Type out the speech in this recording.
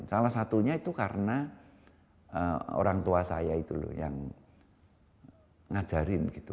salah satunya itu karena orang tua saya itu loh yang ngajarin gitu